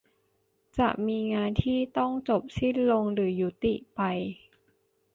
จะมีงานที่ต้องจบสิ้นลงหรือยุติไป